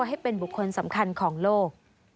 ให้เป็นบุคคลสำคัญของโลก